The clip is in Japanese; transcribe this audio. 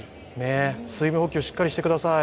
水分補給しっかりしてください。